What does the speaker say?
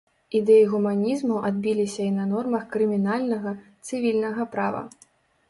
Ідэі гуманізму адбіліся і на нормах крымінальнага, цывільнага права.